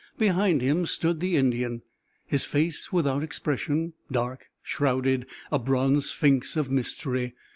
Behind him stood the Indian his face without expression, dark, shrouded a bronze sphinx of mystery.